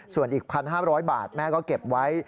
ส่วนอีก๑๕๐๐บาทแม่ก็เก็บไว้